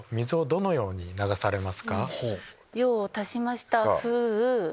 用を足しましたふぅ。